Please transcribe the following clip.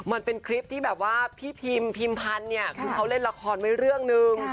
มันเป็นคลิปที่แบบว่าพี่พิมพิมพันธ์เนี่ยคือเขาเล่นละครไว้เรื่องหนึ่ง